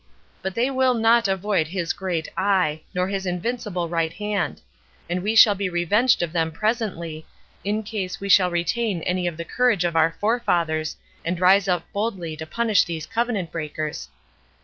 But they will not avoid his great eye, nor his invincible right hand; and we shall be revenged of them presently, in case we still retain any of the courage of our forefathers, and rise up boldly to punish these covenant breakers.